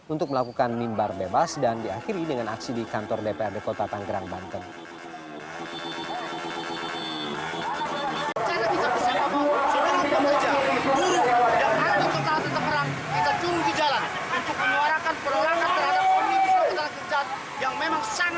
untuk melakukan mimbar bebas dan diakhiri dengan aksi di kantor dprd kota tanggerang banten